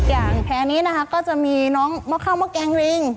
อย่างแพ้นี้นะคะก็จะมีน้องมะเข้ามะแกงริง